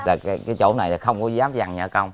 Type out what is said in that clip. cái chỗ này là không có dám dằn nhỏ công